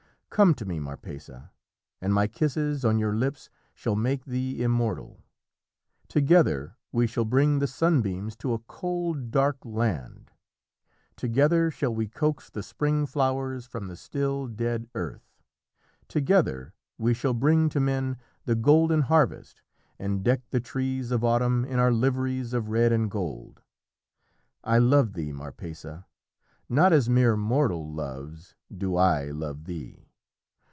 Come to me, Marpessa, and my kisses on your lips shall make thee immortal! Together we shall bring the sunbeams to a cold, dark land! Together shall we coax the spring flowers from the still, dead earth! Together we shall bring to men the golden harvest, and deck the trees of autumn in our liveries of red and gold. I love thee, Marpessa not as mere mortal loves do I love thee.